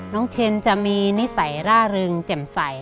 เชนจะมีนิสัยร่าเริงแจ่มใส